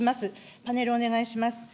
パネルお願いします。